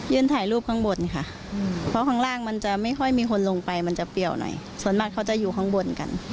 ถ่ายรูปข้างบนค่ะเพราะข้างล่างมันจะไม่ค่อยมีคนลงไปมันจะเปรี้ยวหน่อยส่วนมากเขาจะอยู่ข้างบนกัน